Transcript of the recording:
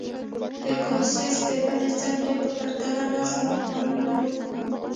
د کاساس د بلې څنډې په پرتله نظم او قانون نه و